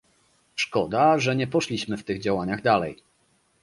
Szkoda, że nie poszliśmy w tych działaniach dalej